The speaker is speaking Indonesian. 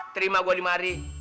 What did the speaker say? terima gua lima hari